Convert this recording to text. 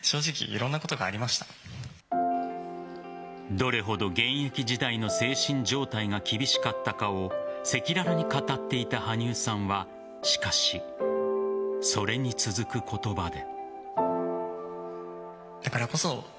どれほど現役時代の精神状態が厳しかったかを赤裸々に語っていた羽生さんは、しかしそれに続く言葉で。